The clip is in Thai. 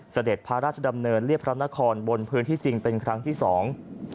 เสด็จพระราชดำเนินเรียบพระนครบนพื้นที่จริงเป็นครั้งที่สอง